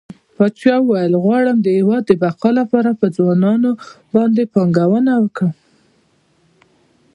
پاچا وويل غواړم د هيواد د بقا لپاره په ځوانانو باندې پانګونه وکړه.